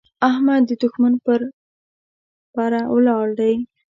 احمد د دوښمن پر پره ولاړ دی.